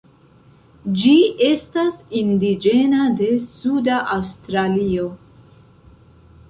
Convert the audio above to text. Ĝi estas indiĝena de suda Aŭstralio.